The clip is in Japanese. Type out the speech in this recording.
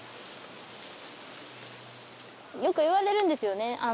よく言われるんですよね